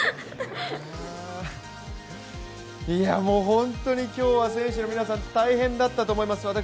もう本当に今日は選手の皆さん大変だったと思います。